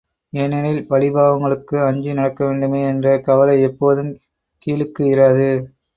ஏனெனில், பழிபாவங்களுக்கு அஞ்சி நடக்கவேண்டுமே என்ற கவலை எப்போதும் கீழுக்கு இராது.